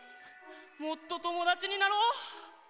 もっとともだちになろう！